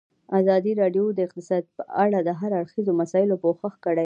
ازادي راډیو د اقتصاد په اړه د هر اړخیزو مسایلو پوښښ کړی.